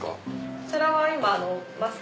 こちらは今。